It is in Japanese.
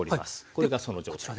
これがその状態。